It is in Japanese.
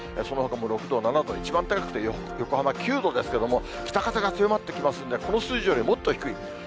そのほかも６度、７度、一番高くて横浜９度ですけれども、北風が強まってきますんで、この数字よりもっと低い。